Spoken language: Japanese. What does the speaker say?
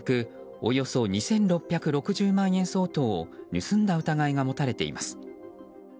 およそ２６６０万円相当を盗んだ疑いが持たれています。